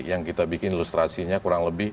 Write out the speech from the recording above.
yang kita bikin ilustrasinya kurang lebih